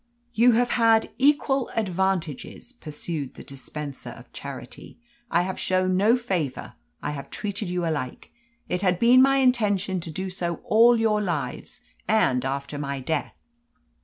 "You have had equal advantages," pursued the dispenser of charity. "I have shown no favour; I have treated you alike. It had been my intention to do so all your lives and after my death."